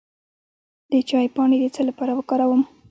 د چای پاڼې د څه لپاره وکاروم؟